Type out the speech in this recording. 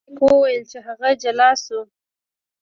فلیریک وویل چې هغه جل شو.